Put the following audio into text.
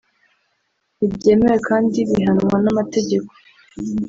ntibyemewe kandi bihanwa n’amategeko